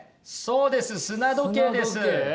そうです砂時計です。